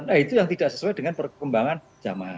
nah itu yang tidak sesuai dengan perkembangan zaman